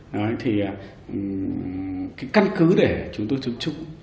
cái căn cứ để chúng tôi chứng trúc